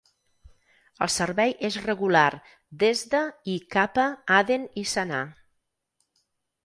El servei és regular des de i cap a Aden i Sanà.